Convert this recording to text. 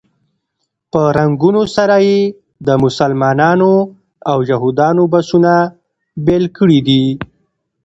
په رنګونو سره یې د مسلمانانو او یهودانو بسونه بېل کړي دي.